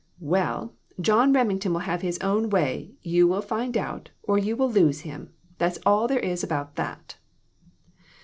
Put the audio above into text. "Well, John Remington will have his own way, you will find, or you will lose him. That's all there is about that."